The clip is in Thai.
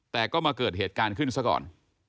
แต่ก็มาเกิดเหตุการณ์ขึ้นซะก่อน